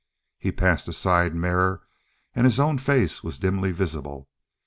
He passed a side mirror and his own face was dimly visible.